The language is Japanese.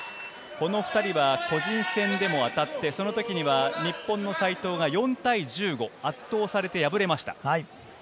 この２人は個人戦でもあたって、その時には日本の西藤が４対１５、圧倒されて敗れました。